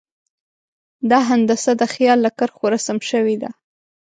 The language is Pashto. دا هندسه د خیال له کرښو رسم شوې ده.